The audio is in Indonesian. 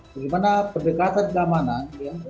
bagaimana pendekatan keamanan